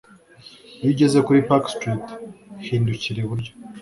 Iyo ugeze kuri Park Street hindukirira iburyo